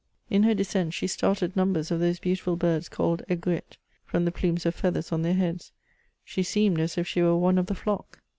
In her descent she started numbers of those beautiful birds called Aigrettes^ from the plumes of feathers on their heads ; she seemed as if she were one of the flock.